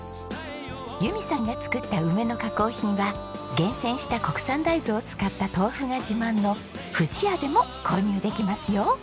由美さんが作った梅の加工品は厳選した国産大豆を使った豆腐が自慢の藤屋でも購入できますよ。